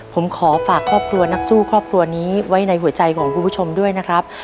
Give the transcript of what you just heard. ผมขอฝากครอบครัวนักสู้ครอบครัวนี้ไว้ในหัวใจของคุณผู้ชมด้วยนะครับ